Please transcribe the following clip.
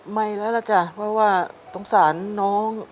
ไม่แล้วล่ะจ้ะเพราะว่าสงสารน้อง